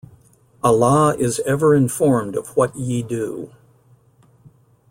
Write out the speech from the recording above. Allah is ever Informed of what ye do.